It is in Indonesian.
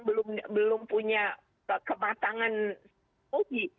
belum belum punya kematangan uji